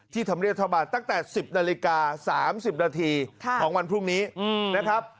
ธรรมเนียบรัฐบาลตั้งแต่๑๐นาฬิกา๓๐นาทีของวันพรุ่งนี้นะครับ